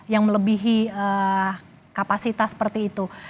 yang melebihi kapasitas seperti itu